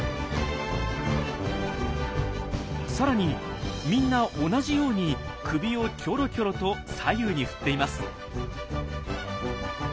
さらにみんな同じように首をキョロキョロと左右に振っています。